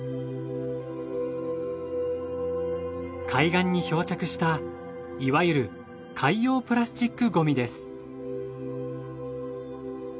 海岸に漂着したいわゆる海洋プラスチックごみです。